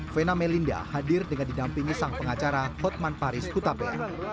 vena melinda hadir dengan didampingi sang pengacara hotman paris hutape